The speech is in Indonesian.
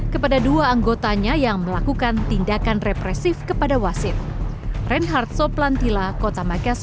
kepada dua anggotanya yang melakukan tindakan represif kepada wasit